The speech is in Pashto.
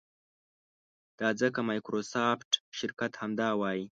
دا ځکه مایکروسافټ شرکت همدا وایي.